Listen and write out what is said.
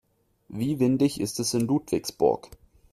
Wie windig ist es in Ludwigsburg?